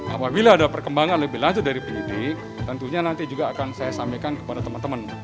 apabila ada perkembangan lebih lanjut dari penyidik tentunya nanti juga akan saya sampaikan kepada teman teman